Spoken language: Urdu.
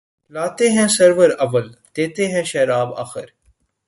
لاتے ہیں سرور اول دیتے ہیں شراب آخر